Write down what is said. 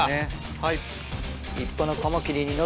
はい。